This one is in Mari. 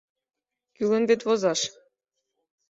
Кӱлын вет возаш.